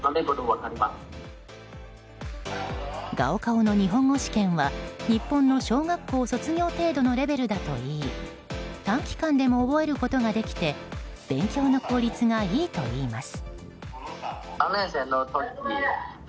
高考の日本語試験は日本の小学校卒業程度のレベルだといい短期間でも覚えることができて勉強の効率がいいといいます。